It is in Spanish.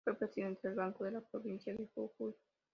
Fue presidente del Banco de la Provincia de Jujuy.